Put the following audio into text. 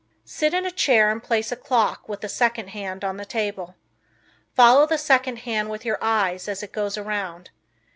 Sit in a chair and place a clock with a second hand on the table. Follow the second hand with your eyes as it goes around.